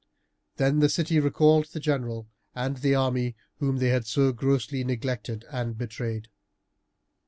Then the city recalled the general and the army whom they had so grossly neglected and betrayed.